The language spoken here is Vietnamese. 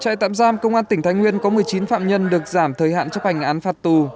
trại tạm giam công an tỉnh thái nguyên có một mươi chín phạm nhân được giảm thời hạn chấp hành án phạt tù